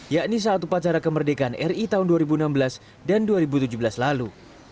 yakni saat upacara kemerdekaan ri tahun dua ribu enam belas dan dua ribu tujuh belas lalu